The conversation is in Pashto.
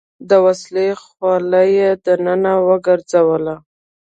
د وسلې خوله يې دننه وګرځوله.